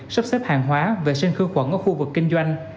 sắp xếp hàng hóa vệ sinh khử khuẩn ở khu vực kinh doanh